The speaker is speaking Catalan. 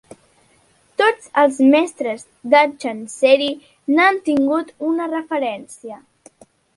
Tots els mestres de Chancery n'han tingut una referència.